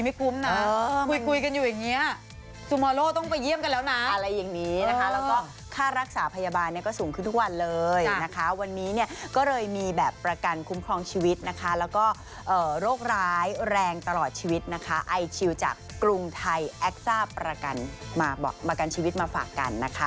ไม่คุ้มนะคุยกันอยู่อย่างนี้สุโมโลต้องไปเยี่ยมกันแล้วนะอะไรอย่างนี้นะคะแล้วก็ค่ารักษาพยาบาลก็สูงขึ้นทุกวันเลยนะคะวันนี้เนี่ยก็เลยมีแบบประกันคุ้มครองชีวิตนะคะแล้วก็โรคร้ายแรงตลอดชีวิตนะคะไอชิลจากกรุงไทย